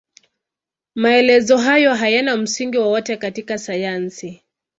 Maelezo hayo hayana msingi wowote katika sayansi.